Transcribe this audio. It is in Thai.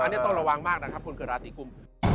อันนี้ต้องระวังมากนะครับคนเกิดราศีกุม